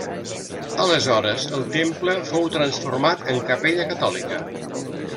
Aleshores el temple fou transformat en capella catòlica.